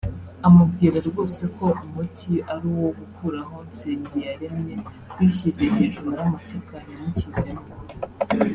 amubwira rwose ko umuti ari uwo gukuraho Nsengiyaremye wishyize hejuru y’amashyaka yamushyizemo